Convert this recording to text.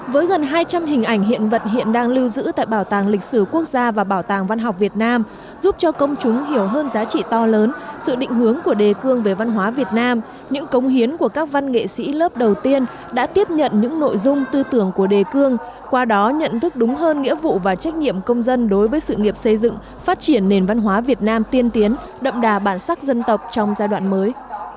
với gần hai trăm linh hình ảnh hiện vật hiện đang lưu giữ tại bảo tàng lịch sử quốc gia và bảo tàng văn học việt nam giúp cho công chúng hiểu hơn giá trị to lớn sự định hướng của đề cương về văn hóa việt nam những công hiến của các văn nghệ sĩ lớp đầu tiên đã tiếp nhận những nội dung tư tưởng của đề cương qua đó nhận thức đúng hơn nghĩa vụ và trách nhiệm công dân đối với sự nghiệp xây dựng phát triển nền văn hóa việt nam tiên tiến đậm đà bản sắc dân tộc trong giai đoạn mới